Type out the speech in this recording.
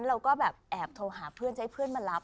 เราก็แบบแอบโทรหาเพื่อนจะให้เพื่อนมารับ